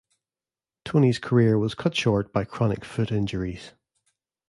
Tony's career was cut short by chronic foot injuries.